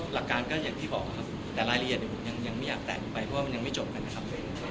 หลักการก็อย่างที่บอกครับแต่รายละเอียดผมยังไม่อยากแต่งไปเพราะว่ามันยังไม่จบกันนะครับ